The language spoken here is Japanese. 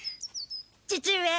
父上。